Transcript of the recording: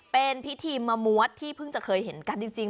เป็นพิธีมะมวดที่เพิ่งจะเคยเห็นกันจริง